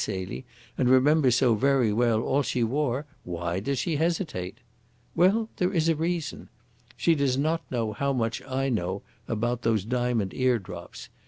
Celie, and remembers so very well all she wore, why does she hesitate? Well, there is a reason. She does not know how much I know about those diamond eardrops.